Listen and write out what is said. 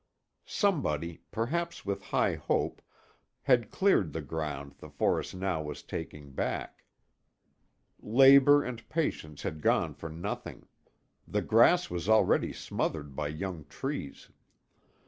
Somebody, perhaps with high hope, had cleared the ground the forest now was taking back. Labor and patience had gone for nothing; the grass was already smothered by young trees.